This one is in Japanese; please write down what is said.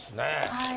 はい。